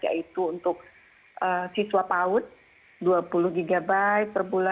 yaitu untuk siswa paud dua puluh gb per bulan kemudian untuk siswa pendidikan dasar dan menengah tiga puluh lima gb per bulan